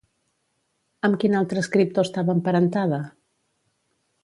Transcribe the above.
Amb quin altre escriptor estava emparentada?